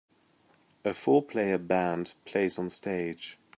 A four player band plays on stage.